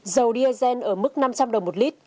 dầu diesel ở mức năm trăm linh đồng một lít